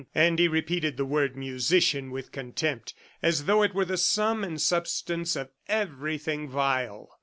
And he repeated the word "musician" with contempt, as though it were the sum and substance of everything vile.